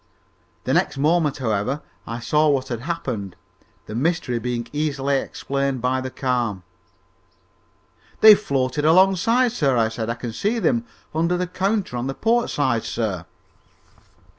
The next moment, however, I saw what had happened, the mystery being easily explained by the calm. "They've floated alongside, sir," I said. "I can see them under the counter on the port side, sir."